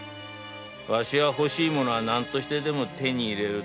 わしは欲しい物は何としてでも手に入れる。